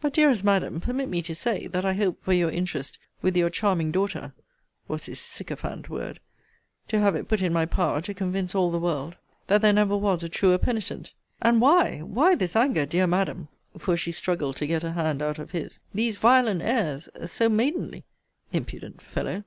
But, dearest Madam, permit me to say, that I hope for your interest with your charming daughter (was his syncophant word) to have it put in my power to convince all the world that there never was a truer penitent. And why, why this anger, dear Madam, (for she struggled to get her hand out of his,) these violent airs so maidenly! [impudent fellow!